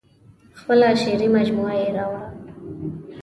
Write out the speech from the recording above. خپله شعري مجموعه یې راوړه.